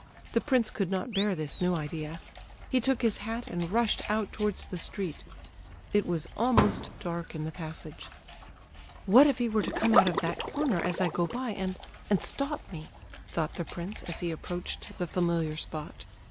The prince could not bear this new idea; he took his hat and rushed out towards the street. It was almost dark in the passage. "What if he were to come out of that corner as I go by and—and stop me?" thought the prince, as he approached the familiar spot.